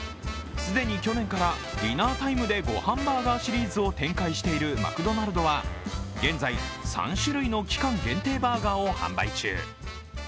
既に去年からディナータイムでごはんバーガーシリーズを展開しているマクドナルドは現在、３種類の期間限定バーガーを販売中。